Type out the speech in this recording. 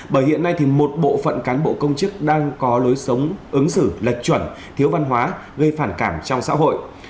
bởi hiện nay thì một bộ phận cán bộ công chức đang có lối sống ứng xử lệch chuẩn thiếu văn hóa gây phản cảm trong xã hội